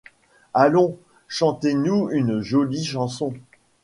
Allons, chantez-nous une jolie chanson !